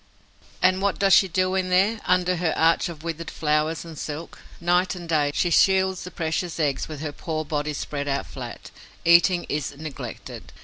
And what does she do in there, under her arch of withered flowers and silk? Night and day, she shields the precious eggs with her poor body spread out flat. Eating is neglected.